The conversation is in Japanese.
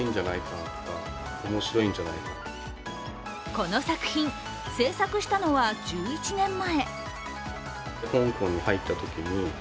この作品、製作したのは１１年前。